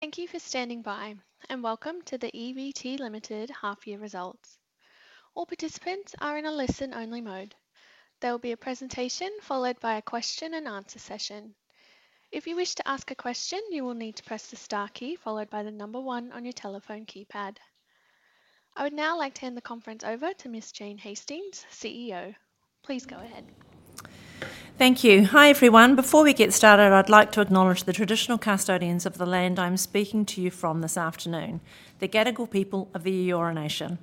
Thank you for standing by, and welcome to the EVT Limited half-year results. All participants are in a listen-only mode. There will be a presentation followed by a question-and-answer session. If you wish to ask a question, you will need to press the star key followed by the number one on your telephone keypad. I would now like to hand the conference over to Miss Jane Hastings, CEO. Please go ahead. Thank you. Hi everyone. Before we get started, I'd like to acknowledge the traditional custodians of the land I'm speaking to you from this afternoon, the Gadigal people of the Eora Nation.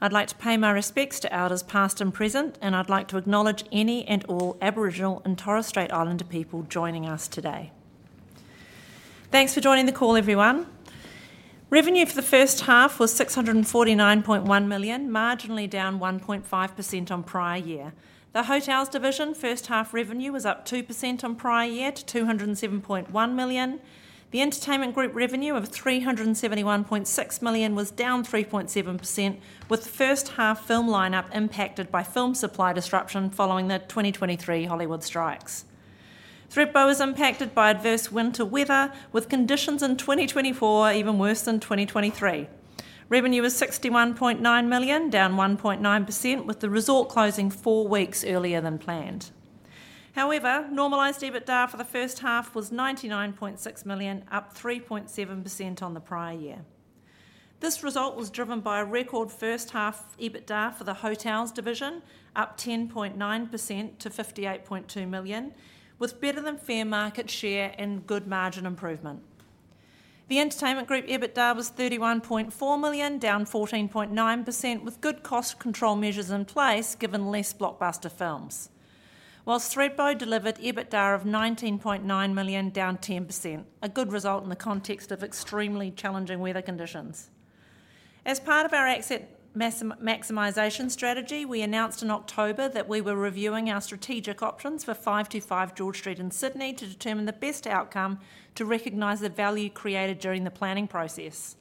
I'd like to pay my respects to elders past and present, and I'd like to acknowledge any and all Aboriginal and Torres Strait Islander people joining us today. Thanks for joining the call, everyone. Revenue for the first half was 649.1 million, marginally down 1.5% on prior year. The Hotels Division first half revenue was up 2% on prior year to 207.1 million. The Entertainment Group revenue of 371.6 million was down 3.7%, with the first half film lineup impacted by film supply disruption following the 2023 Hollywood strikes. Thredbo was impacted by adverse winter weather, with conditions in 2024 even worse than 2023. Revenue was 61.9 million, down 1.9%, with the resort closing four weeks earlier than planned. However, normalized EBITDA for the first half was 99.6 million, up 3.7% on the prior year. This result was driven by a record first half EBITDA for the Hotels Division, up 10.9% to 58.2 million, with better than fair market share and good margin improvement. The Entertainment Group EBITDA was 31.4 million, down 14.9%, with good cost control measures in place given less blockbuster films, while Thredbo delivered EBITDA of 19.9 million, down 10%, a good result in the context of extremely challenging weather conditions. As part of our asset maximization strategy, we announced in October that we were reviewing our strategic options for 525 George Street in Sydney to determine the best outcome to recognize the value created during the planning process.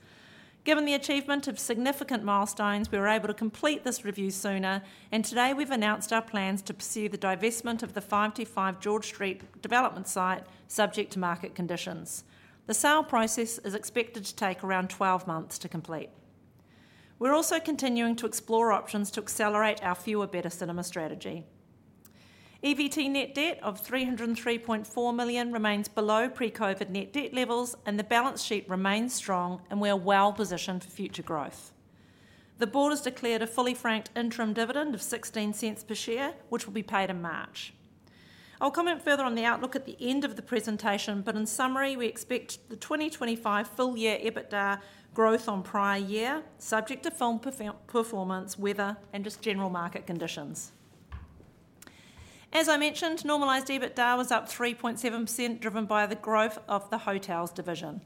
Given the achievement of significant milestones, we were able to complete this review sooner, and today we've announced our plans to pursue the divestment of the 525 George Street development site, subject to market conditions. The sale process is expected to take around 12 months to complete. We're also continuing to explore options to accelerate our fewer-better cinema strategy. EVT net debt of 303.4 million remains below pre-COVID net debt levels, and the balance sheet remains strong, and we are well positioned for future growth. The board has declared a fully franked interim dividend of 0.16 per share, which will be paid in March. I'll comment further on the outlook at the end of the presentation, but in summary, we expect the 2025 full year EBITDA growth on prior year, subject to film performance, weather, and just general market conditions. As I mentioned, normalized EBITDA was up 3.7%, driven by the growth of the Hotels Division.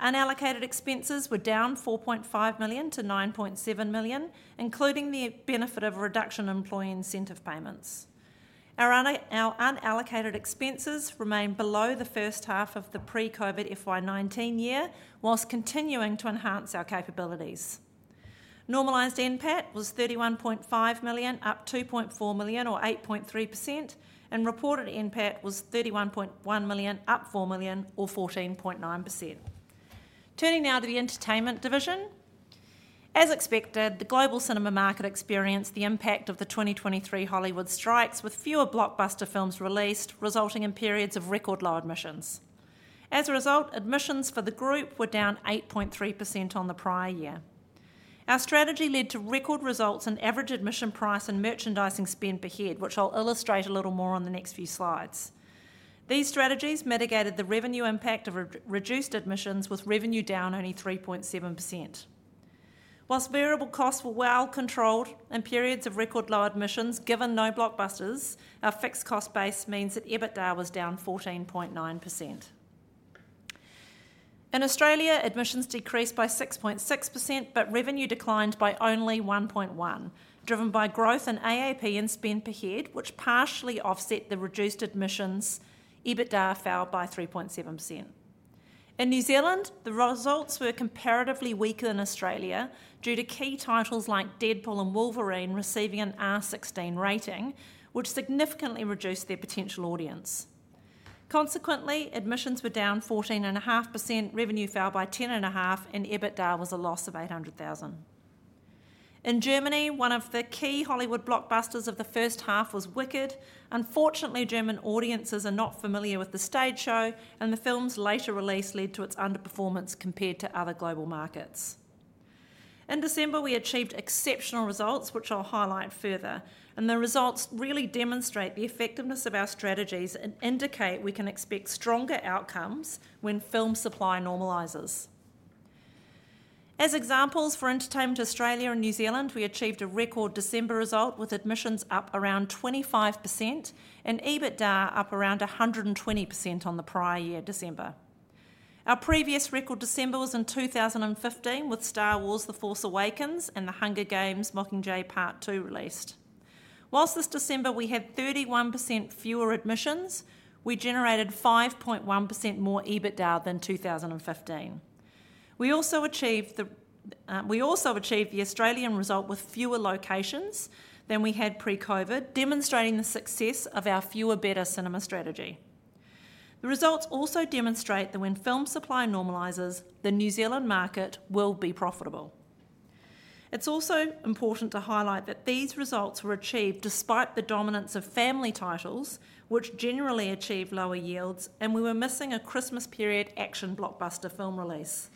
Unallocated expenses were down 4.5 million to 9.7 million, including the benefit of a reduction in employee incentive payments. Our unallocated expenses remain below the first half of the pre-COVID FY19 year, while continuing to enhance our capabilities. Normalized NPAT was 31.5 million, up 2.4 million or 8.3%, and reported NPAT was 31.1 million, up 4 million or 14.9%. Turning now to the Entertainment Division, as expected, the global cinema market experienced the impact of the 2023 Hollywood strikes, with fewer blockbuster films released, resulting in periods of record low admissions. As a result, admissions for the group were down 8.3% on the prior year. Our strategy led to record results in average admission price and merchandising spend per head, which I'll illustrate a little more on the next few slides. These strategies mitigated the revenue impact of reduced admissions, with revenue down only 3.7%. While variable costs were well controlled and periods of record low admissions given no blockbusters, our fixed cost base means that EBITDA was down 14.9%. In Australia, admissions decreased by 6.6%, but revenue declined by only 1.1%, driven by growth in AAP and spend per head, which partially offset the reduced admissions. EBITDA fell by 3.7%. In New Zealand, the results were comparatively weaker than Australia due to key titles like Deadpool & Wolverine receiving an R16 rating, which significantly reduced their potential audience. Consequently, admissions were down 14.5%, revenue fell by 10.5%, and EBITDA was a loss of 800,000. In Germany, one of the key Hollywood blockbusters of the first half was Wicked. Unfortunately, German audiences are not familiar with the stage show, and the film's later release led to its underperformance compared to other global markets. In December, we achieved exceptional results, which I'll highlight further, and the results really demonstrate the effectiveness of our strategies and indicate we can expect stronger outcomes when film supply normalizes. As examples for Entertainment Australia and New Zealand, we achieved a record December result with admissions up around 25% and EBITDA up around 120% on the prior year December. Our previous record December was in 2015 with Star Wars: The Force Awakens and The Hunger Games: Mockingjay Part 2 released. While this December, we had 31% fewer admissions, we generated 5.1% more EBITDA than 2015. We also achieved the Australian result with fewer locations than we had pre-COVID, demonstrating the success of our fewer-better cinema strategy. The results also demonstrate that when film supply normalizes, the New Zealand market will be profitable. It's also important to highlight that these results were achieved despite the dominance of family titles, which generally achieve lower yields, and we were missing a Christmas period action blockbuster film release.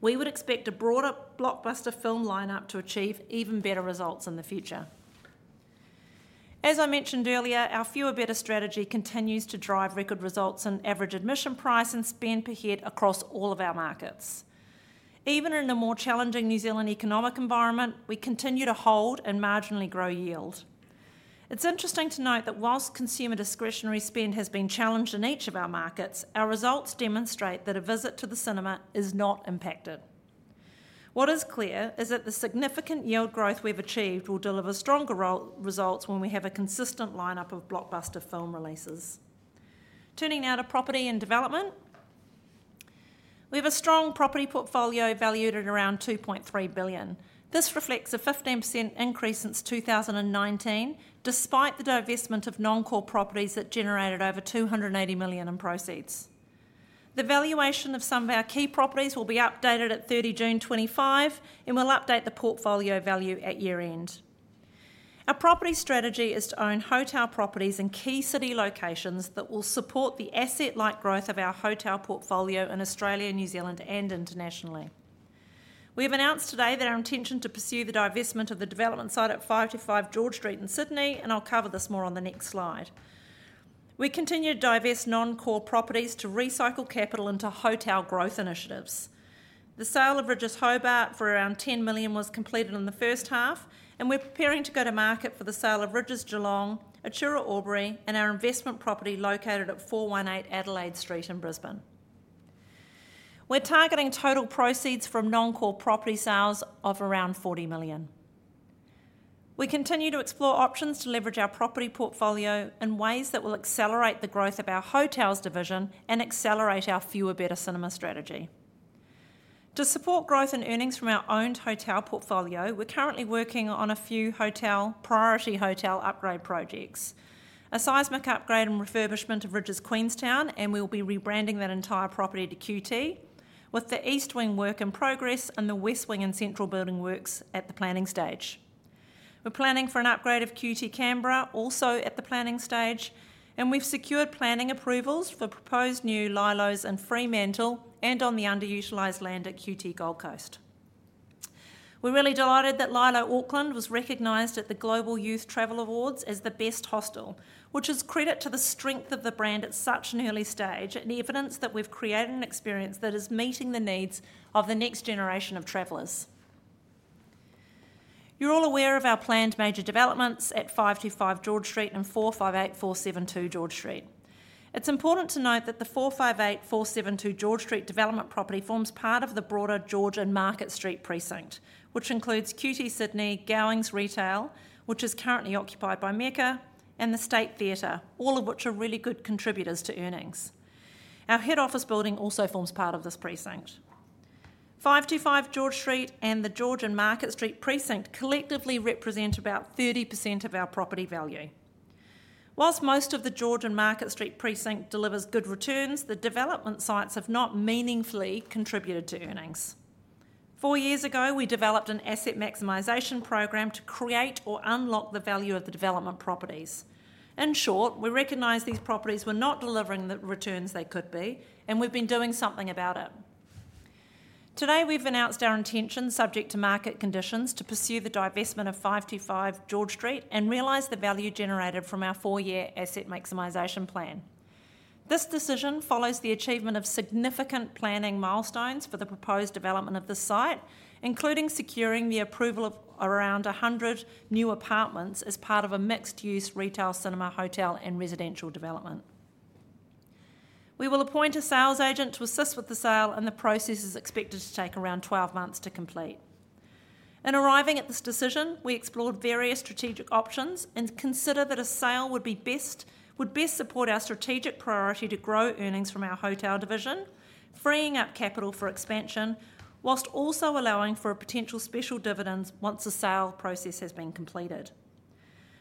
We would expect a broader blockbuster film lineup to achieve even better results in the future. As I mentioned earlier, our fewer-better strategy continues to drive record results in average admission price and spend per head across all of our markets. Even in a more challenging New Zealand economic environment, we continue to hold and marginally grow yield. It's interesting to note that while consumer discretionary spend has been challenged in each of our markets, our results demonstrate that a visit to the cinema is not impacted. What is clear is that the significant yield growth we've achieved will deliver stronger results when we have a consistent lineup of blockbuster film releases. Turning now to property and development, we have a strong property portfolio valued at around 2.3 billion. This reflects a 15% increase since 2019, despite the divestment of non-core properties that generated over 280 million in proceeds. The valuation of some of our key properties will be updated at 30 June 2025, and we'll update the portfolio value at year-end. Our property strategy is to own hotel properties in key city locations that will support the asset-like growth of our hotel portfolio in Australia, New Zealand, and internationally. We have announced today that our intention to pursue the divestment of the development site at 525 George Street in Sydney, and I'll cover this more on the next slide. We continue to divest non-core properties to recycle capital into hotel growth initiatives. The sale of Rydges Hobart for around 10 million was completed in the first half, and we're preparing to go to market for the sale of Rydges Geelong, Atura Albury, and our investment property located at 418 Adelaide Street in Brisbane. We're targeting total proceeds from non-core property sales of around 40 million. We continue to explore options to leverage our property portfolio in ways that will accelerate the growth of our Hotels Division and accelerate our fewer-better cinema strategy. To support growth in earnings from our owned hotel portfolio, we're currently working on a few hotel priority hotel upgrade projects, a seismic upgrade and refurbishment of Rydges Queenstown, and we will be rebranding that entire property to QT, with the east wing work in progress and the west wing and central building works at the planning stage. We're planning for an upgrade of QT Canberra also at the planning stage, and we've secured planning approvals for proposed new Lylos in Fremantle and on the underutilized land at QT Gold Coast. We're really delighted that Lylo Auckland was recognized at the Global Youth Travel Awards as the best hostel, which is credit to the strength of the brand at such an early stage and the evidence that we've created an experience that is meeting the needs of the next generation of travelers. You're all aware of our planned major developments at 525 George Street and 458-472 George Street. It's important to note that the 458-472 George Street development property forms part of the broader George & Market Street precinct, which includes QT Sydney, Gowings Retail, which is currently occupied by Mecca, and the State Theatre, all of which are really good contributors to earnings. Our head office building also forms part of this precinct, 525 George Street and the George & Market Street precinct collectively represent about 30% of our property value. While most of the George & Market Street precinct delivers good returns, the development sites have not meaningfully contributed to earnings. Four years ago, we developed an asset maximization program to create or unlock the value of the development properties. In short, we recognized these properties were not delivering the returns they could be, and we've been doing something about it. Today, we've announced our intention, subject to market conditions, to pursue the divestment of 525 George Street and realize the value generated from our four-year asset maximization plan. This decision follows the achievement of significant planning milestones for the proposed development of the site, including securing the approval of around 100 new apartments as part of a mixed-use retail cinema, hotel, and residential development. We will appoint a sales agent to assist with the sale, and the process is expected to take around 12 months to complete. In arriving at this decision, we explored various strategic options and considered that a sale would best support our strategic priority to grow earnings from our Hotel Division, freeing up capital for expansion, while also allowing for a potential special dividend once the sale process has been completed.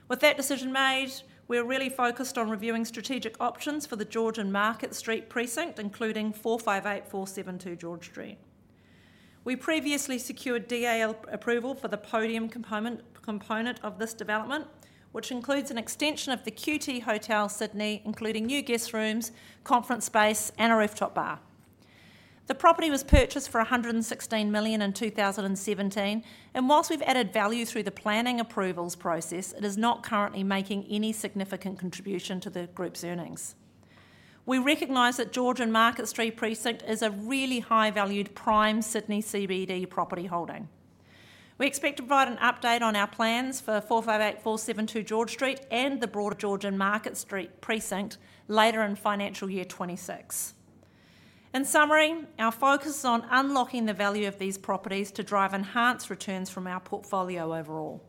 With that decision made, we're really focused on reviewing strategic options for the George and Market Street precinct, including 458–472 George Street. We previously secured DA approval for the podium component of this development, which includes an extension of the QT Hotel Sydney, including new guest rooms, conference space, and a rooftop bar. The property was purchased for 116 million in 2017, and while we've added value through the planning approvals process, it is not currently making any significant contribution to the group's earnings. We recognize that George and Market Street precinct is a really high-valued prime Sydney CBD property holding. We expect to provide an update on our plans for 458–472 George Street and the broader George and Market Street precinct later in financial year 2026. In summary, our focus is on unlocking the value of these properties to drive enhanced returns from our portfolio overall.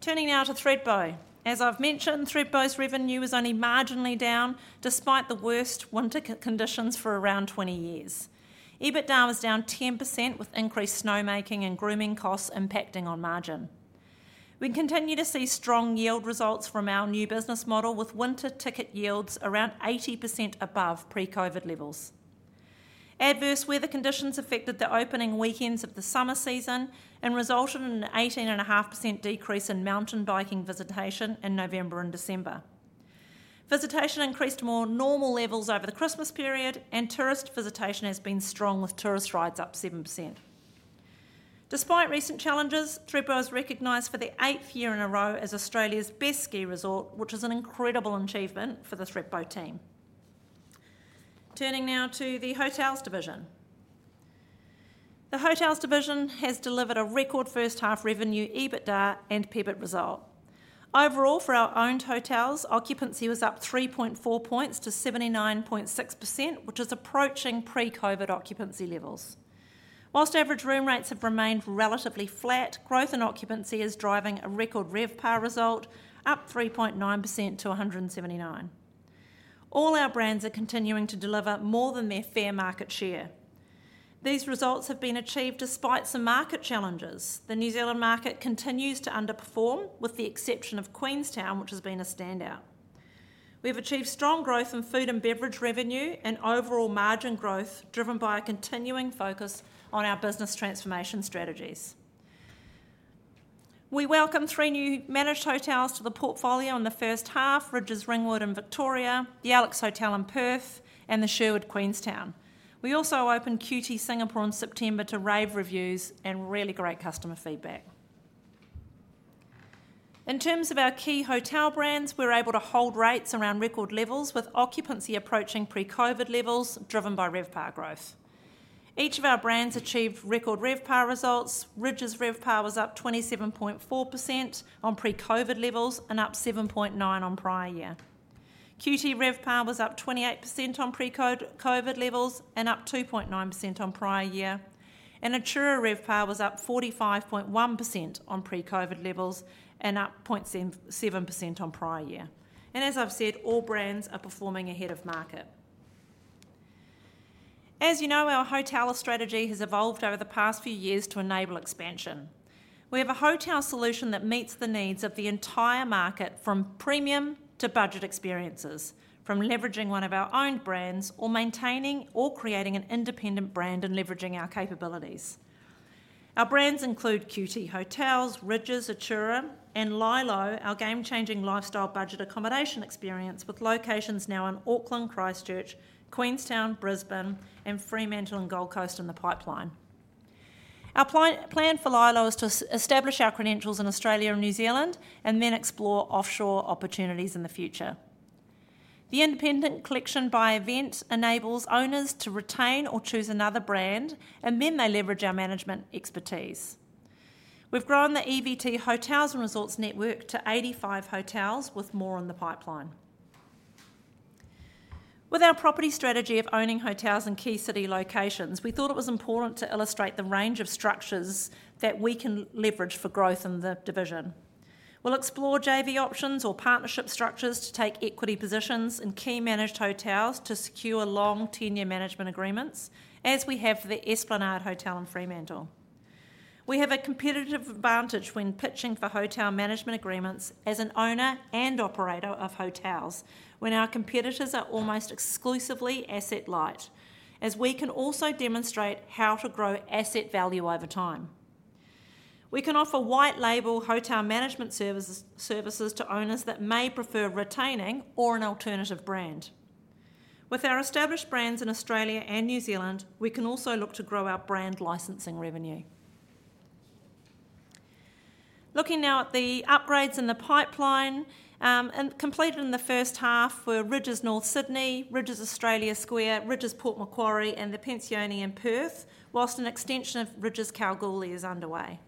Turning now to Thredbo, as I've mentioned, Thredbo's revenue is only marginally down despite the worst winter conditions for around 20 years. EBITDA was down 10%, with increased snowmaking and grooming costs impacting on margin. We continue to see strong yield results from our new business model, with winter ticket yields around 80% above pre-COVID levels. Adverse weather conditions affected the opening weekends of the summer season and resulted in an 18.5% decrease in mountain biking visitation in November and December. Visitation increased to more normal levels over the Christmas period, and tourist visitation has been strong, with tourist rides up 7%. Despite recent challenges, Thredbo is recognized for the eighth year in a row as Australia's best ski resort, which is an incredible achievement for the Thredbo team. Turning now to the Hotels Division, the Hotels Division has delivered a record first half revenue, EBITDA, and profit result. Overall, for our owned hotels, occupancy was up 3.4 points to 79.6%, which is approaching pre-COVID occupancy levels. While average room rates have remained relatively flat, growth in occupancy is driving a record RevPAR result, up 3.9% to 179. All our brands are continuing to deliver more than their fair market share. These results have been achieved despite some market challenges. The New Zealand market continues to underperform, with the exception of Queenstown, which has been a standout. We've achieved strong growth in food and beverage revenue and overall margin growth, driven by a continuing focus on our business transformation strategies. We welcome three new managed hotels to the portfolio in the first half: Rydges Ringwood in Victoria, the Alex Hotel in Perth, and the Sherwood Queenstown. We also opened QT Singapore in September to rave reviews and really great customer feedback. In terms of our key hotel brands, we're able to hold rates around record levels, with occupancy approaching pre-COVID levels driven by RevPAR growth. Each of our brands achieved record RevPAR results. Rydges RevPAR was up 27.4% on pre-COVID levels and up 7.9% on prior year. QT RevPAR was up 28% on pre-COVID levels and up 2.9% on prior year. And Atura RevPAR was up 45.1% on pre-COVID levels and up 0.7% on prior year. And as I've said, all brands are performing ahead of market. As you know, our hotel strategy has evolved over the past few years to enable expansion. We have a hotel solution that meets the needs of the entire market, from premium to budget experiences, from leveraging one of our owned brands or maintaining or creating an independent brand and leveraging our capabilities. Our brands include QT Hotels, Rydges, Atura, and Lylo, our game-changing lifestyle budget accommodation experience with locations now in Auckland, Christchurch, Queenstown, Brisbane, and Fremantle and Gold Coast in the pipeline. Our plan for Lylo is to establish our credentials in Australia and New Zealand and then explore offshore opportunities in the future. The Independent Collection by EVT enables owners to retain or choose another brand, and then they leverage our management expertise. We've grown the EVT Hotels and Resorts network to 85 hotels, with more in the pipeline. With our property strategy of owning hotels in key city locations, we thought it was important to illustrate the range of structures that we can leverage for growth in the division. We'll explore JV options or partnership structures to take equity positions in key managed hotels to secure long tenure management agreements, as we have for the Esplanade Hotel in Fremantle. We have a competitive advantage when pitching for hotel management agreements as an owner and operator of hotels when our competitors are almost exclusively asset-light, as we can also demonstrate how to grow asset value over time. We can offer white-label hotel management services to owners that may prefer retaining or an alternative brand. With our established brands in Australia and New Zealand, we can also look to grow our brand licensing revenue. Looking now at the upgrades in the pipeline, completed in the first half were Rydges North Sydney, Rydges Australia Square, Rydges Port Macquarie, and the Pensione in Perth, while an extension of Rydges Kalgoorlie is underway.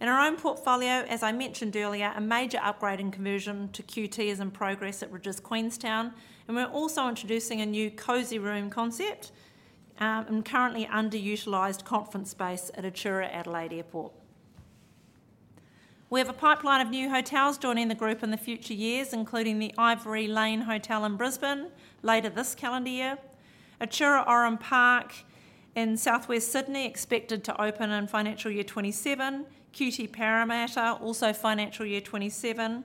In our own portfolio, as I mentioned earlier, a major upgrade and conversion to QT is in progress at Rydges Queenstown, and we're also introducing a new cozy room concept and currently underutilized conference space at Atura Adelaide Airport. We have a pipeline of new hotels joining the group in the future years, including The Ivory Lane Hotel in Brisbane later this calendar year, Atura Oran Park in southwest Sydney expected to open in financial year 27, QT Parramatta also financial year 27,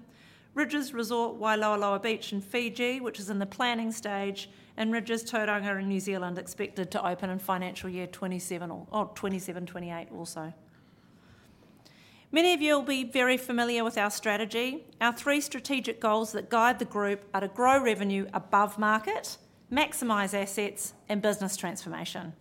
Rydges Resort Wailoaloa Beach in Fiji, which is in the planning stage, and Rydges Tauranga in New Zealand expected to open in financial year 27 or 27-28 also. Many of you will be very familiar with our strategy. Our three strategic goals that guide the group are to grow revenue above market, maximize assets, and business transformation.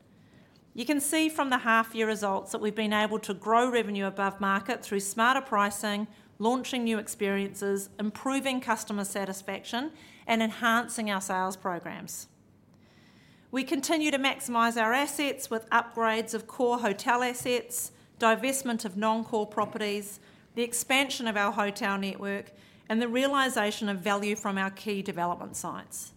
You can see from the half-year results that we've been able to grow revenue above market through smarter pricing, launching new experiences, improving customer satisfaction, and enhancing our sales programs. We continue to maximize our assets with upgrades of core hotel assets, divestment of non-core properties, the expansion of our hotel network, and the realization of value from our key development sites.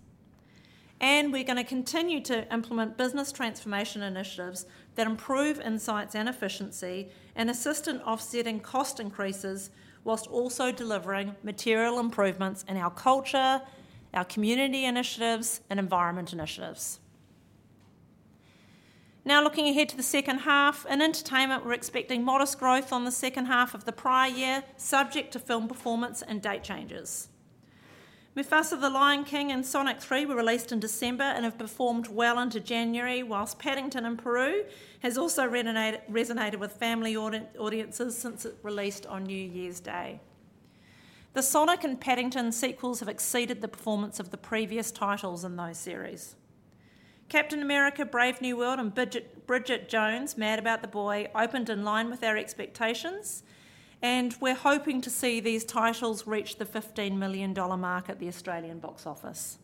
And we're going to continue to implement business transformation initiatives that improve insights and efficiency and assist in offsetting cost increases while also delivering material improvements in our culture, our community initiatives, and environment initiatives. Now looking ahead to the second half, in entertainment, we're expecting modest growth on the second half of the prior year, subject to film performance and date changes. Mufasa: The Lion King and Sonic 3 were released in December and have performed well into January, while Paddington in Peru has also resonated with family audiences since it released on New Year's Day. The Sonic and Paddington sequels have exceeded the performance of the previous titles in those series. Captain America: Brave New World and Bridget Jones: Mad About the Boy opened in line with our expectations, and we're hoping to see these titles reach the 15 million dollar mark at the Australian box office.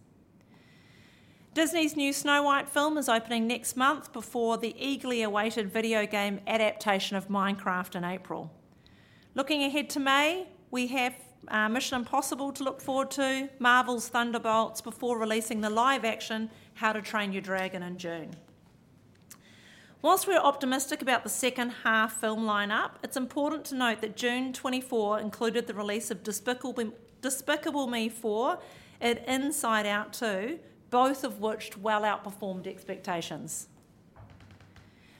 Disney's new Snow White film is opening next month before the eagerly awaited video game adaptation of Minecraft in April. Looking ahead to May, we have Mission: Impossible to look forward to, Marvel's Thunderbolts, before releasing the live-action How to Train Your Dragon in June. While we're optimistic about the second half film lineup, it's important to note that June 24 included the release of Despicable Me 4 and Inside Out 2, both of which well outperformed expectations.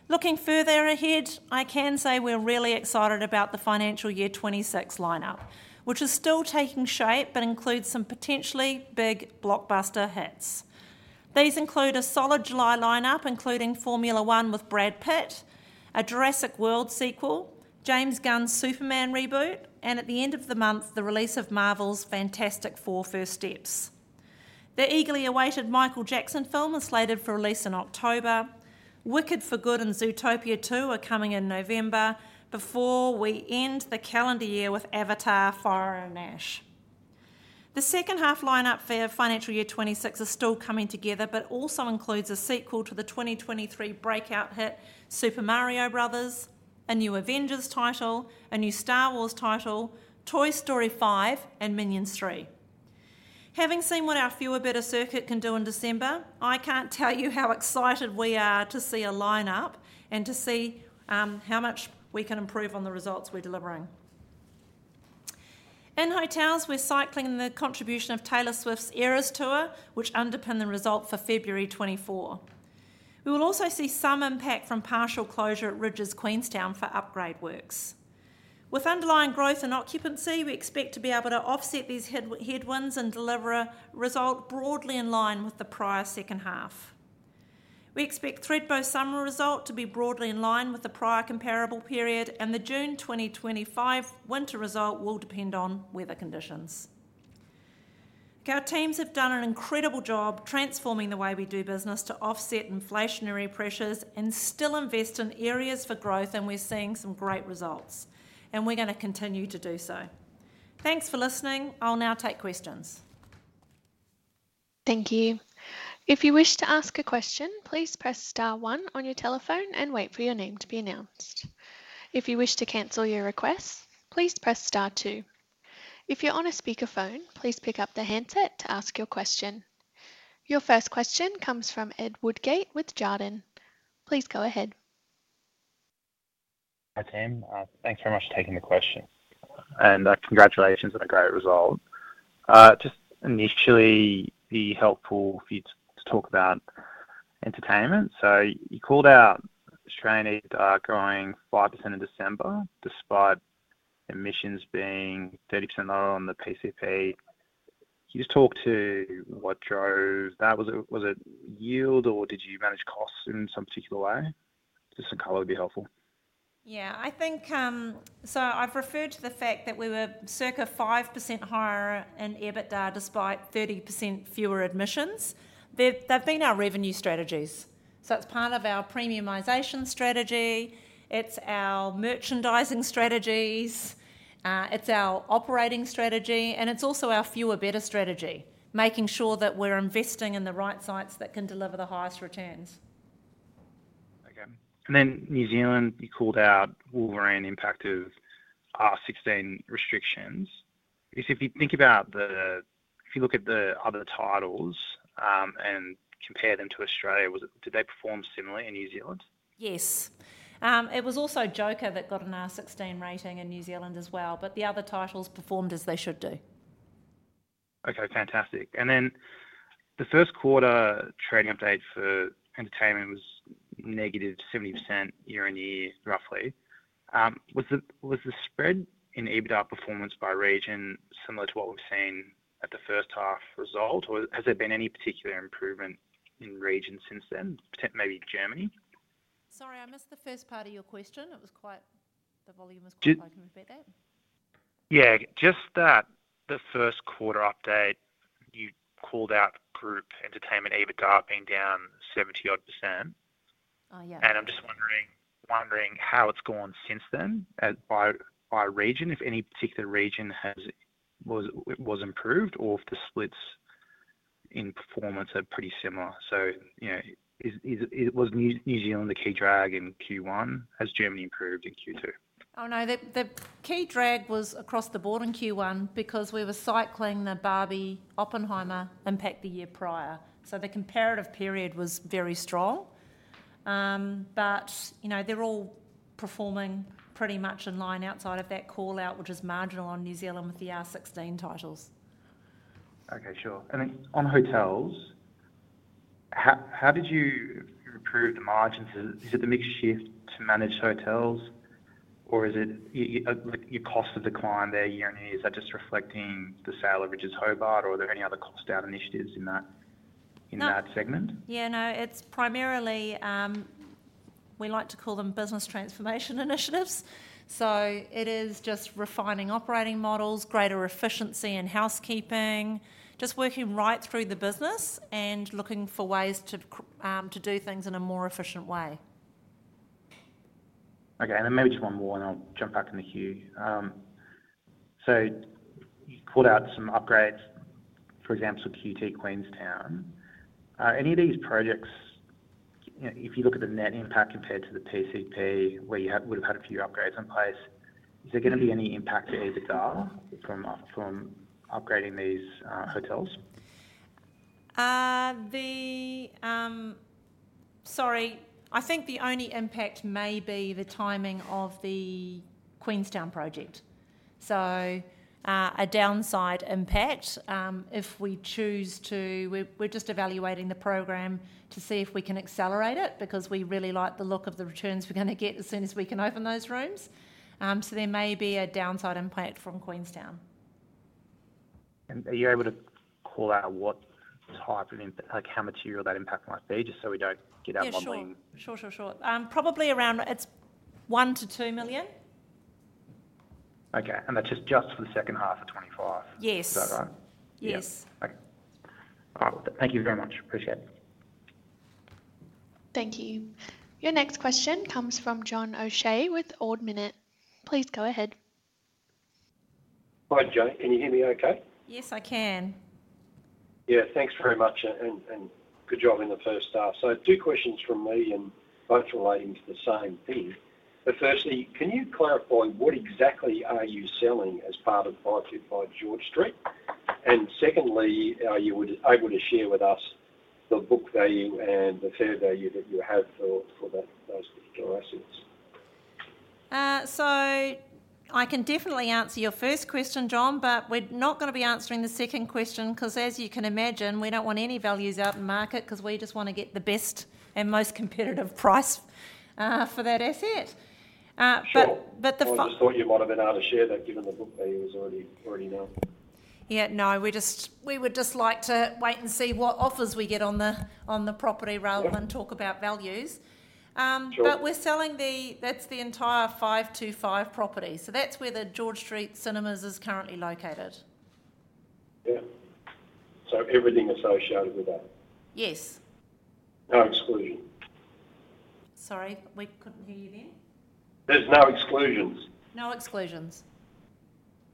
Looking further ahead, I can say we're really excited about the financial year 26 lineup, which is still taking shape but includes some potentially big blockbuster hits. These include a solid July lineup including Formula 1 with Brad Pitt, a Jurassic World sequel, James Gunn's Superman reboot, and at the end of the month, the release of Marvel's Fantastic Four: First Steps. The eagerly awaited Michael Jackson film is slated for release in October. Wicked: For Good and Zootopia 2 are coming in November before we end the calendar year with Avatar: Fire and Ash. The second half lineup for financial year 26 is still coming together, but also includes a sequel to the 2023 breakout hit Super Mario Bros., a new Avengers title, a new Star Wars title, Toy Story 5, and Minions 3. Having seen what our fewer-better cinema can do in December, I can't tell you how excited we are to see a lineup and to see how much we can improve on the results we're delivering. In hotels, we're cycling the contribution of Taylor Swift's Eras Tour, which underpins the result for February 24. We will also see some impact from partial closure at Rydges Queenstown for upgrade works. With underlying growth in occupancy, we expect to be able to offset these headwinds and deliver a result broadly in line with the prior second half. We expect Thredbo's summer result to be broadly in line with the prior comparable period, and the June 2025 winter result will depend on weather conditions. Our teams have done an incredible job transforming the way we do business to offset inflationary pressures and still invest in areas for growth, and we're seeing some great results, and we're going to continue to do so. Thanks for listening. I'll now take questions. Thank you. If you wish to ask a question, please press star one on your telephone and wait for your name to be announced. If you wish to cancel your request, please press star two. If you're on a speakerphone, please pick up the handset to ask your question. Your first question comes from Ed Woodgate with Jarden. Please go ahead. Hi team. Thanks very much for taking the question, and congratulations on a great result. Just initially, it'd be helpful for you to talk about entertainment. So you called out Australia growing 5% in December despite admissions being 30% lower on the PCP. Can you just talk to what drove that? Was it yield, or did you manage costs in some particular way? Just a color would be helpful. Yeah, I think so. I've referred to the fact that we were circa 5% higher in EBITDA despite 30% fewer admissions. They've been our revenue strategies. So it's part of our premiumization strategy. It's our merchandising strategies. It's our operating strategy, and it's also our fewer better strategy, making sure that we're investing in the right sites that can deliver the highest returns. Okay. And then New Zealand, you called out Wolverine impacted R16 restrictions. If you think about, if you look at the other titles and compare them to Australia, did they perform similarly in New Zealand? Yes. It was also Joker that got an R16 rating in New Zealand as well, but the other titles performed as they should do. Okay, fantastic. And then the first quarter trading update for entertainment was negative 70% year on year, roughly. Was the spread in EBITDA performance by region similar to what we've seen at the first half result, or has there been any particular improvement in region since then, maybe Germany? Sorry, I missed the first part of your question. The volume was quite. Can you repeat that? Yeah, just that the first quarter update, you called out group entertainment EBITDA being down 70-odd%. Oh, yeah. And I'm just wondering how it's gone since then by region, if any particular region was improved or if the splits in performance are pretty similar. So was New Zealand the key drag in Q1? Has Germany improved in Q2? Oh, no, the key drag was across the board in Q1 because we were cycling the Barbie Oppenheimer impact the year prior. So the comparative period was very strong. But they're all performing pretty much in line outside of that callout, which is marginal on New Zealand with the R16 titles. Okay, sure. And then on hotels, how did you improve the margins? Is it the mix shift to managed hotels, or is it your cost decline there year on year? Is that just reflecting the sale of Rydges Hobart, or are there any other cost-down initiatives in that segment? Yeah, no, it's primarily. We like to call them business transformation initiatives. So it is just refining operating models, greater efficiency in housekeeping, just working right through the business and looking for ways to do things in a more efficient way. Okay, and then maybe just one more, and I'll jump back in the queue. So you called out some upgrades, for example, to QT Queenstown. Any of these projects, if you look at the net impact compared to the PCP, where you would have had a few upgrades in place, is there going to be any impact to EBITDA from upgrading these hotels? Sorry, I think the only impact may be the timing of the Queenstown project. So a downside impact, if we choose to, we're just evaluating the program to see if we can accelerate it because we really like the look of the returns we're going to get as soon as we can open those rooms. So there may be a downside impact from Queenstown. Are you able to call out what type of impact, like how material that impact might be, just so we don't get out one wrong? Yeah, sure, sure, sure. Probably around, it's 1-2 million. Okay, and that's just for the second half of 2025. Yes. Is that right? Yes. Okay. All right, thank you very much. Appreciate it. Thank you. Your next question comes from John O'Shea with Ord Minnett. Please go ahead. Hi, Jane. Can you hear me okay? Yes, I can. Yeah, thanks very much, and good job in the first half. So two questions from me and both relating to the same thing. But firstly, can you clarify what exactly are you selling as part of George Street? And secondly, are you able to share with us the book value and the fair value that you have for those particular assets? So I can definitely answer your first question, John, but we're not going to be answering the second question because, as you can imagine, we don't want any values out in the market because we just want to get the best and most competitive price for that asset. But the. I just thought you might have been able to share that given the book value is already known. Yeah, no, we would just like to wait and see what offers we get on the property rather than talk about values. But we're selling the, that's the entire 525 property. So that's where the George Street Cinemas is currently located. Yeah. So everything associated with that? Yes. No exclusion. Sorry, we couldn't hear you then. There's no exclusions. No exclusions.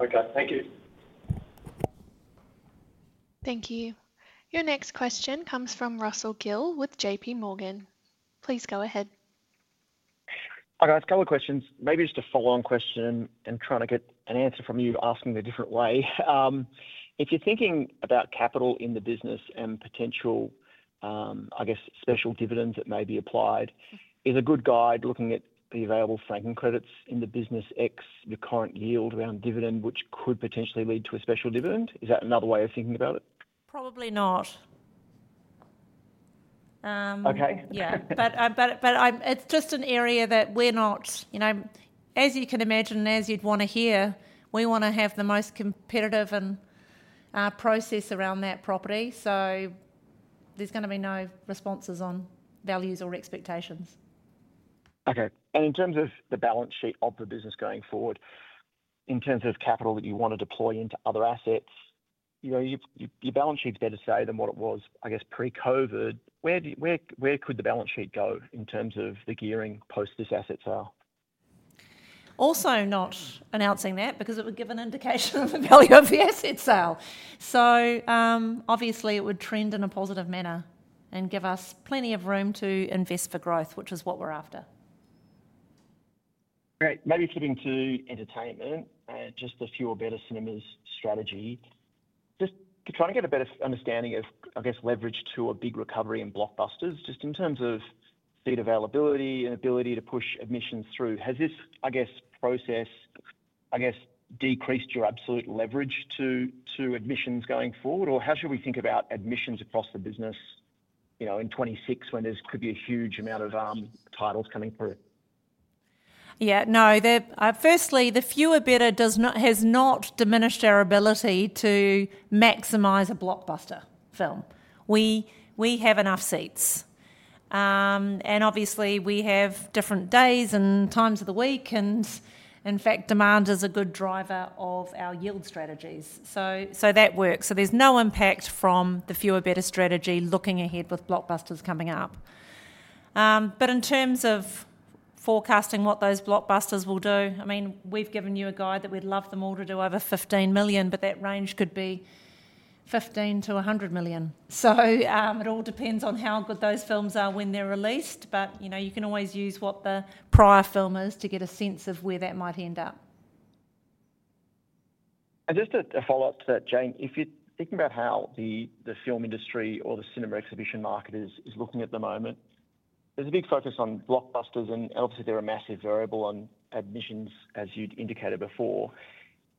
Okay, thank you. Thank you. Your next question comes from Russell Gill with JPMorgan. Please go ahead. Hi, guys. A couple of questions. Maybe just a follow-on question and trying to get an answer from you asking it a different way. If you're thinking about capital in the business and potential, I guess, special dividends that may be applied, is a good guide looking at the available franking credits in the business ex your current yield around dividend, which could potentially lead to a special dividend? Is that another way of thinking about it? Probably not. Okay. Yeah, but it's just an area that we're not, as you can imagine, and as you'd want to hear, we want to have the most competitive process around that property. So there's going to be no responses on values or expectations. Okay. And in terms of the balance sheet of the business going forward, in terms of capital that you want to deploy into other assets, your balance sheet's better to say than what it was, I guess, pre-COVID. Where could the balance sheet go in terms of the gearing post this asset sale? Also not announcing that because it would give an indication of the value of the asset sale. So obviously, it would trend in a positive manner and give us plenty of room to invest for growth, which is what we're after. Great. Maybe flipping to entertainment and just the fewer-better cinema strategy. Just trying to get a better understanding of, I guess, leverage to a big recovery in blockbusters, just in terms of seat availability and ability to push admissions through. Has this, I guess, process, I guess, decreased your absolute leverage to admissions going forward, or how should we think about admissions across the business in 2026 when there could be a huge amount of titles coming through? Yeah, no. Firstly, the fewer-better has not diminished our ability to maximize a blockbuster film. We have enough seats, and obviously, we have different days and times of the week. And in fact, demand is a good driver of our yield strategies. So that works. So there's no impact from the fewer-better strategy looking ahead with blockbusters coming up. But in terms of forecasting what those blockbusters will do, I mean, we've given you a guide that we'd love them all to do over 15 million, but that range could be 15 million to 100 million. So it all depends on how good those films are when they're released. But you can always use what the prior film is to get a sense of where that might end up. Just a follow-up to that, Jane. If you're thinking about how the film industry or the cinema exhibition market is looking at the moment, there's a big focus on blockbusters, and obviously, they're a massive variable on admissions, as you'd indicated before.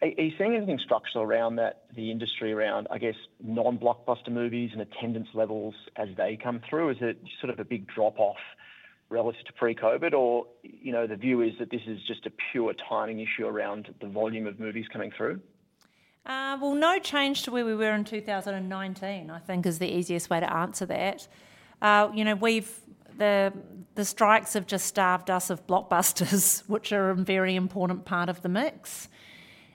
Are you seeing anything structural around that, the industry around, I guess, non-blockbuster movies and attendance levels as they come through? Is it sort of a big drop-off relative to pre-COVID, or the view is that this is just a pure timing issue around the volume of movies coming through? No change to where we were in 2019, I think, is the easiest way to answer that. The strikes have just starved us of blockbusters, which are a very important part of the mix.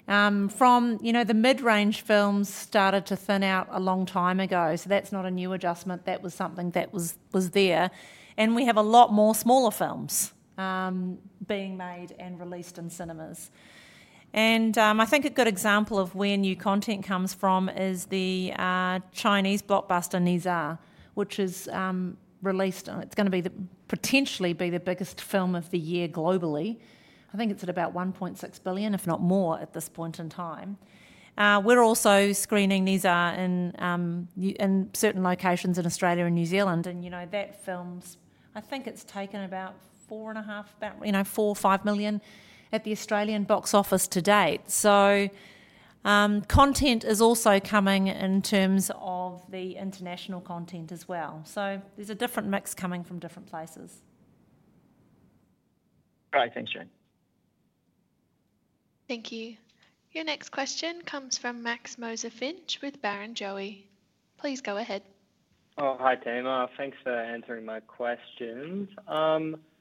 The mid-range films started to thin out a long time ago. So that's not a new adjustment. That was something that was there. And we have a lot more smaller films being made and released in cinemas. And I think a good example of where new content comes from is the Chinese blockbuster Ne Zha 2, which is released. It's going to potentially be the biggest film of the year globally. I think it's at about 1.6 billion, if not more at this point in time. We're also screening Ne Zha 2 in certain locations in Australia and New Zealand. That film, I think it's taken about AUD 4.5 million, 4 million, 5 million at the Australian box office to date. Content is also coming in terms of the international content as well. There's a different mix coming from different places. All right, thanks, Jane. Thank you. Your next question comes from Max Moser-Finch with Barrenjoey. Please go ahead. Oh, hi team. Thanks for answering my questions.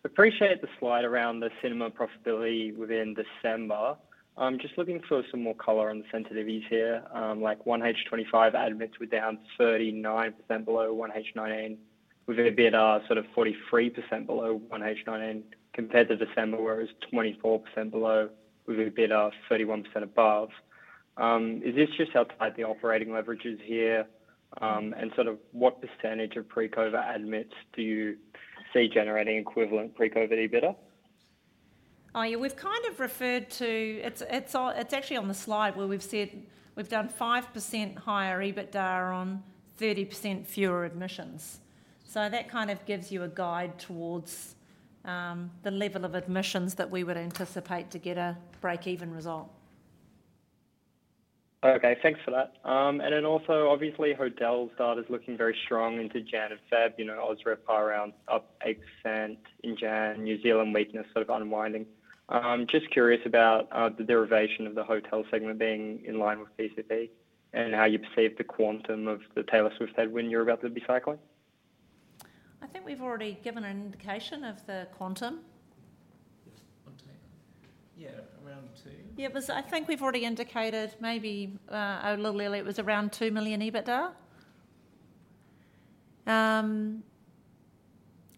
Appreciate the slide around the cinema profitability within December. I'm just looking for some more color on the sensitivities here. Like 1H25 admits were down 39% below 1H19, with an EBITDA of sort of 43% below 1H19 compared to December, whereas 24% below, with an EBITDA of 31% above. Is this just outside the operating leverages here? And sort of what percentage of pre-COVID admits do you see generating equivalent pre-COVID EBITDA? Oh, yeah, we've kind of referred to. It's actually on the slide where we've said we've done 5% higher EBITDA on 30% fewer admissions. So that kind of gives you a guide towards the level of admissions that we would anticipate to get a break-even result. Okay, thanks for that. And then also, obviously, hotel data is looking very strong into January and February. ADR's higher, RevPAR up 8% in January. New Zealand weakness sort of unwinding. Just curious about the derivation of the hotel segment being in line with PCP and how you perceive the quantum of the Taylor Swift headwind you're about to be cycling. I think we've already given an indication of the quantum. Yeah, around two. Yeah, I think we've already indicated maybe a little earlier it was around 2 million EBITDA.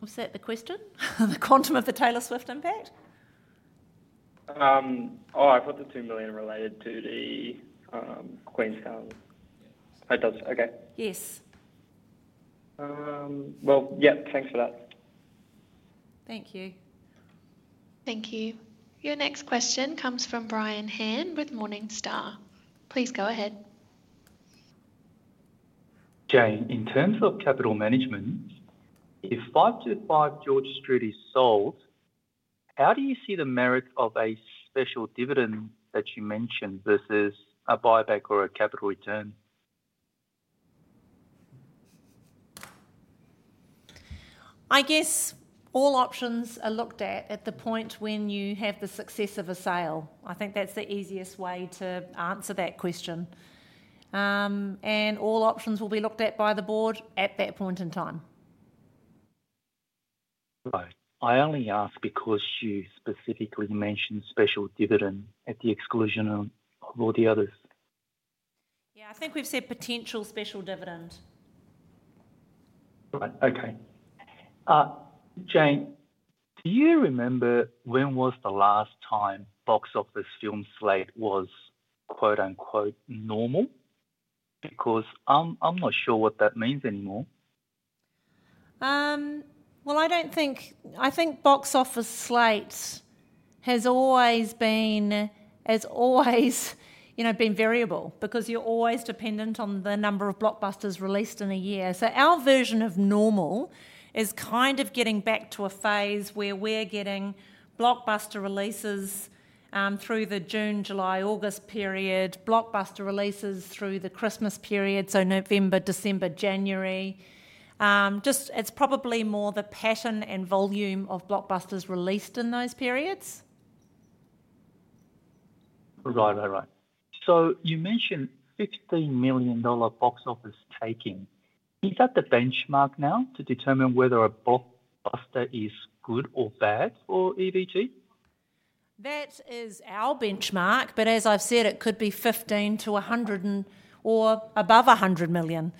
Was that the question? The quantum of the Taylor Swift impact? Oh, I thought the 2 million related to the Queenstown. That does, okay. Yes. Yep, thanks for that. Thank you. Thank you. Your next question comes from Brian Han with Morningstar. Please go ahead. Jane, in terms of capital management, if 525 George Street is sold, how do you see the merits of a special dividend that you mentioned versus a buyback or a capital return? I guess all options are looked at at the point when you have the success of a sale. I think that's the easiest way to answer that question. And all options will be looked at by the board at that point in time. Right. I only ask because you specifically mentioned special dividend at the exclusion of all the others. Yeah, I think we've said potential special dividend. Right, okay. Jane, do you remember when was the last time box office film slate was "normal"? Because I'm not sure what that means anymore. I think box office slate has always been variable because you're always dependent on the number of blockbusters released in a year. So our version of normal is kind of getting back to a phase where we're getting blockbuster releases through the June, July, August period, blockbuster releases through the Christmas period, so November, December, January. It's probably more the pattern and volume of blockbusters released in those periods. Right, right, right. So you mentioned 15 million dollar box office taking. Is that the benchmark now to determine whether a blockbuster is good or bad for EVT? That is our benchmark. But as I've said, it could be 15-100 or above 100 million.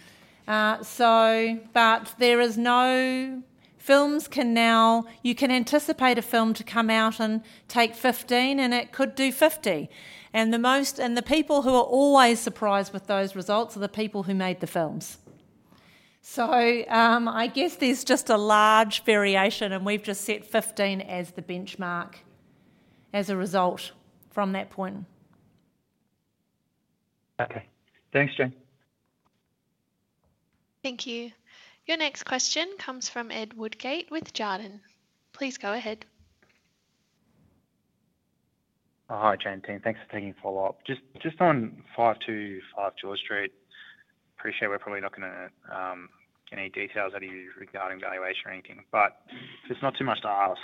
But there is no way you can now anticipate a film to come out and take 15, and it could do 50. And the people who are always surprised with those results are the people who made the films. So I guess there's just a large variation, and we've just set 15 as the benchmark as a result from that point. Okay. Thanks, Jane. Thank you. Your next question comes from Ed Woodgate with Jarden. Please go ahead. Hi, Jane team. Thanks for taking follow-up. Just on 525 George Street, appreciate we're probably not going to get any details out of you regarding valuation or anything. But there's not too much to ask.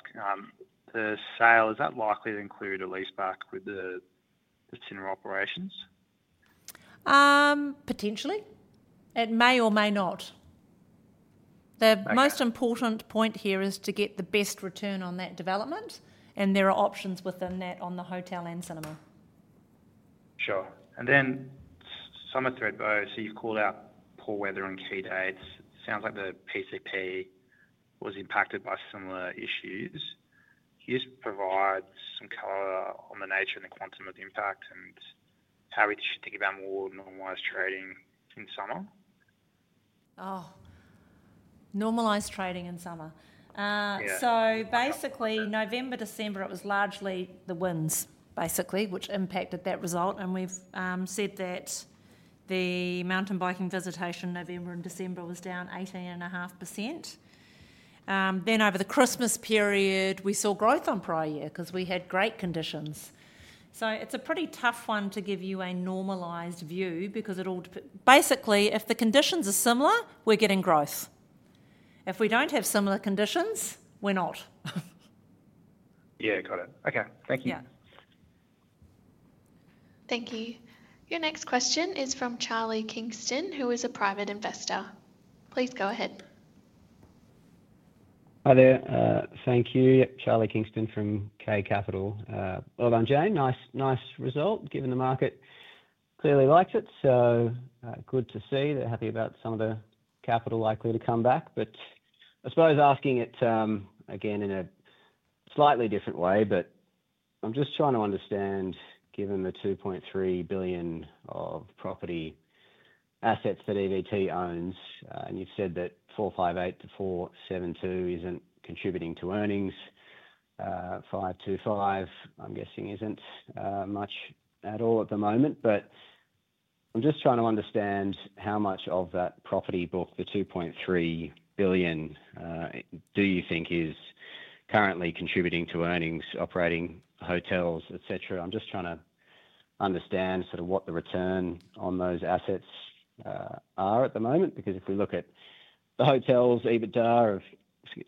The sale, is that likely to include a lease back with the cinema operations? Potentially. It may or may not. The most important point here is to get the best return on that development, and there are options within that on the hotel and cinema. Sure. And then summer Thredbo, so you've called out poor weather and key dates. It sounds like the PCP was impacted by similar issues. Can you just provide some color on the nature and the quantum of impact and how we should think about more normalized trading in summer? Oh, normalized trading in summer. So basically, November, December, it was largely the winds, basically, which impacted that result. And we've said that the mountain biking visitation November and December was down 18.5%. Then over the Christmas period, we saw growth on prior year because we had great conditions. So it's a pretty tough one to give you a normalized view because it all depends. Basically, if the conditions are similar, we're getting growth. If we don't have similar conditions, we're not. Yeah, got it. Okay, thank you. Yeah. Thank you. Your next question is from Charlie Kingston, who is a private investor. Please go ahead. Hi there. Thank you. Charles Kingston from K Capital. Well done, Jane. Nice result. Given the market clearly likes it, so good to see. They're happy about some of the capital likely to come back. But I suppose asking it again in a slightly different way, but I'm just trying to understand, given the 2.3 billion of property assets that EVT owns, and you've said that 458 to 472 isn't contributing to earnings. 525, I'm guessing, isn't much at all at the moment. But I'm just trying to understand how much of that property book, the 2.3 billion, do you think is currently contributing to earnings, operating hotels, etc.? I'm just trying to understand sort of what the return on those assets are at the moment. Because if we look at the hotels, EBITDA of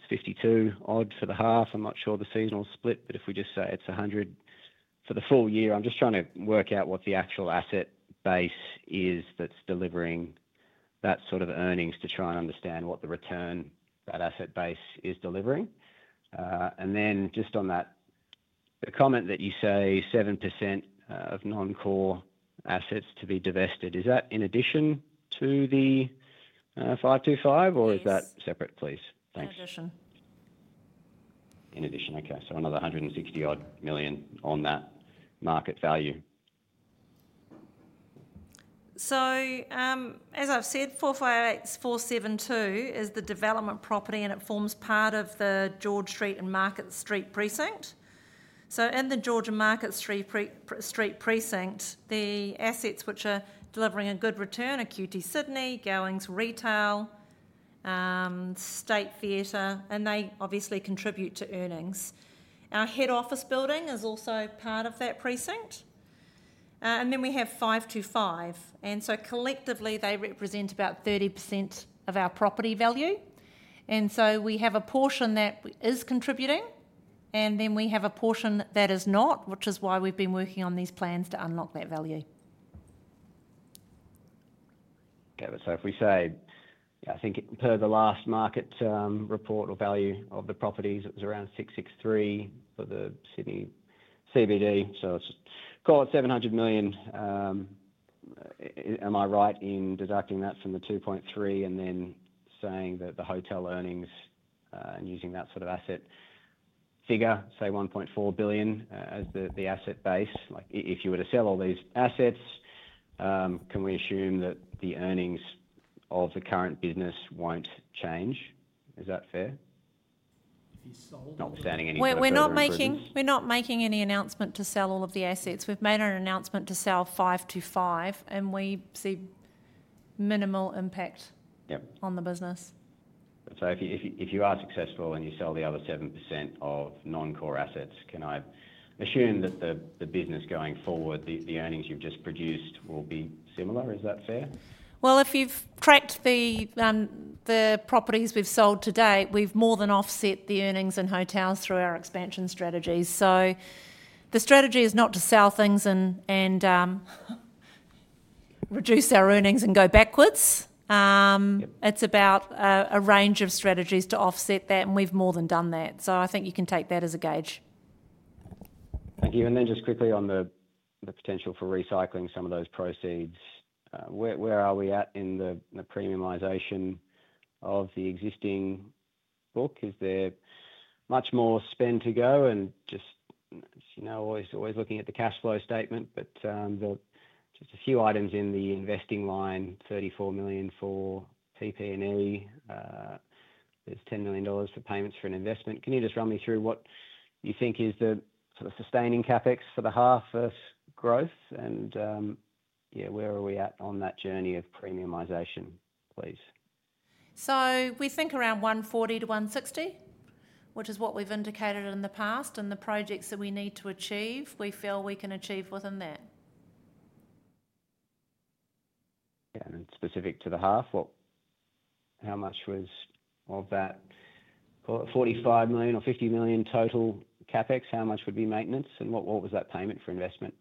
52 odd for the half, I'm not sure the seasonal split, but if we just say it's 100 for the full year, I'm just trying to work out what the actual asset base is that's delivering that sort of earnings to try and understand what the return that asset base is delivering. And then just on that, the comment that you say 7% of non-core assets to be divested, is that in addition to the 525, or is that separate, please? Thanks. In addition. In addition, okay. So another 160-odd million on that market value. As I've said, 458-472 is the development property, and it forms part of the George Street and Market Street precinct. In the George and Market Street precinct, the assets which are delivering a good return are QT Sydney, Gowings Retail, State Theatre, and they obviously contribute to earnings. Our head office building is also part of that precinct, and then we have 525. Collectively, they represent about 30% of our property value. We have a portion that is contributing, and then we have a portion that is not, which is why we've been working on these plans to unlock that value. Okay, so if we say, yeah, I think per the last market report or value of the properties, it was around 663 million for the Sydney CBD. So call it 700 million. Am I right in deducting that from the 2.3 billion and then saying that the hotel earnings and using that sort of asset figure, say 1.4 billion as the asset base? If you were to sell all these assets, can we assume that the earnings of the current business won't change? Is that fair? If you sold. Notwithstanding any adjustments. We're not making any announcement to sell all of the assets. We've made an announcement to sell 525, and we see minimal impact on the business. So if you are successful and you sell the other 7% of non-core assets, can I assume that the business going forward, the earnings you've just produced, will be similar? Is that fair? If you've tracked the properties we've sold today, we've more than offset the earnings and hotels through our expansion strategies. So the strategy is not to sell things and reduce our earnings and go backwards. It's about a range of strategies to offset that, and we've more than done that. So I think you can take that as a gauge. Thank you. And then just quickly on the potential for recycling some of those proceeds, where are we at in the premiumisation of the existing book? Is there much more spend to go? And just always looking at the cash flow statement, but just a few items in the investing line, $34 million for PP&E. There's $10 million for payments for an investment. Can you just run me through what you think is the sort of sustaining CapEx for the half of growth? And yeah, where are we at on that journey of premiumisation, please? We think around 140-160, which is what we've indicated in the past. The projects that we need to achieve, we feel we can achieve within that. Yeah, and specific to the half, how much was of that? Call it 45 million or 50 million total CapEx. How much would be maintenance? And what was that payment for investment,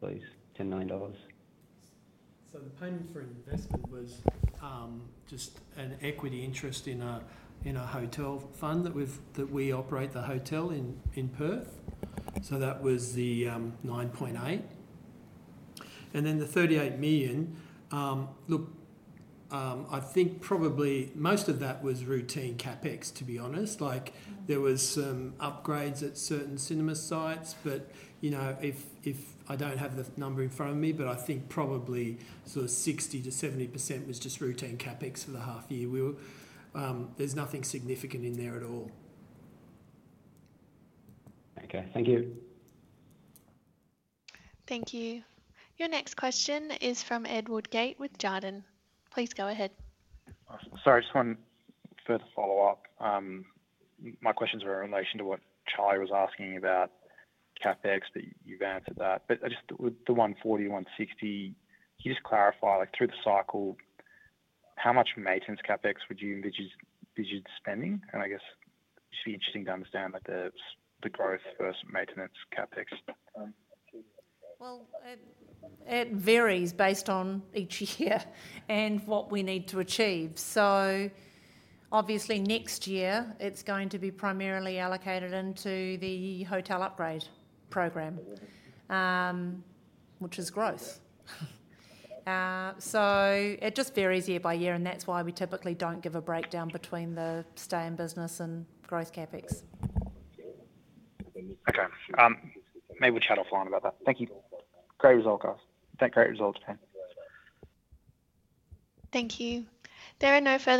please? 10 million dollars. So the payment for investment was just an equity interest in a hotel fund that we operate the hotel in Perth. So that was the 9.8 million. And then the 38 million, look, I think probably most of that was routine CapEx, to be honest. There were some upgrades at certain cinema sites, but if I don't have the number in front of me, but I think probably sort of 60%-70% was just routine CapEx for the half year. There's nothing significant in there at all. Okay, thank you. Thank you. Your next question is from Ed Woodgate with Jarden. Please go ahead. Sorry, just one further follow-up. My questions were in relation to what Charlie was asking about CapEx, but you've answered that. But just with the 140, 160, can you just clarify through the cycle, how much maintenance CapEx would you envisage spending? And I guess it should be interesting to understand the growth versus maintenance CapEx. It varies based on each year and what we need to achieve. Obviously, next year, it's going to be primarily allocated into the hotel upgrade program, which is growth. It just varies year by year, and that's why we typically don't give a breakdown between the stay-in-business and growth CapEx. Okay. Maybe we'll chat offline about that. Thank you. Great result, guys. Think great result, okay. Thank you. There are no further.